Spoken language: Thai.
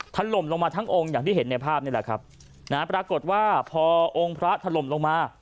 ถล่มลงมาทั้งองค์อย่างที่เห็นในภาพนี่แหละครับนะฮะปรากฏว่าพอองค์พระถล่มลงมา